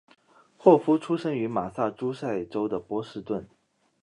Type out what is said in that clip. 霍夫出生于马萨诸塞州的波士顿。